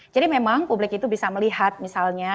jadi memang publik itu bisa melihat misalnya